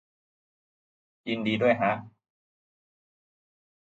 ยินดีด้วยฮะ